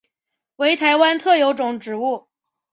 为台湾特有种植物。